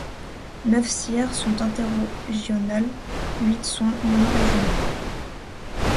Neuf Cire sont interrégionales, huit sont monorégionales.